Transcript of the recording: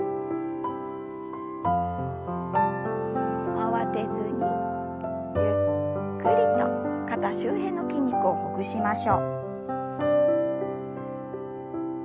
慌てずにゆっくりと肩周辺の筋肉をほぐしましょう。